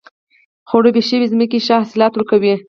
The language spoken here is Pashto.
خړوبې شوې ځمکه ښه حاصلات ورکوي.